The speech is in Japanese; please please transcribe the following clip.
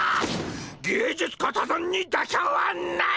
芸術家多山に妥協はない！